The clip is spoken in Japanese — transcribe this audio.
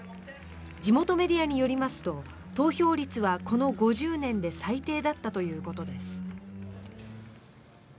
地元メディアによりますと投票率はこの５０年で最低だったということです。